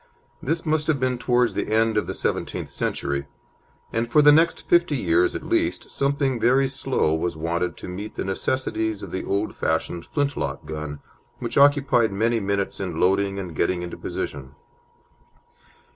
This must have been towards the end of the seventeenth century, and for the next fifty years at least something very slow was wanted to meet the necessities of the old fashioned flintlock gun, which occupied many minutes in loading and getting into position.